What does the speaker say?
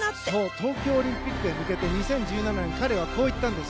東京オリンピックへ向けて２０１７年に彼はこう言ったんです。